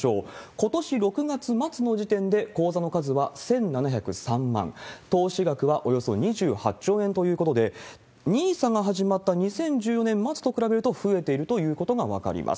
ことし６月末の時点で、口座の数は１７０３万、投資額はおよそ２８兆円ということで、ＮＩＳＡが始まった２０１４年末と比べると増えているということが分かります。